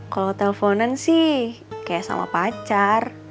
kalau telponan sih kayak sama pacar